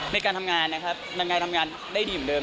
ในการทำงานนะครับยังไงทำงานได้ดีเหมือนเดิ